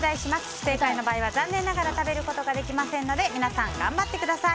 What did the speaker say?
不正解の場合は残念ながら食べることができませんので皆さん、頑張ってください。